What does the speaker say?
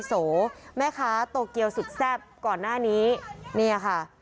เหมือนที่พี่เบิร์ทบอกเมื่อตะกี้นี้ล่ะค่ะ